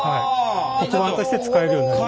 黒板として使えるようになります。